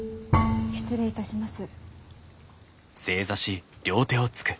失礼いたします。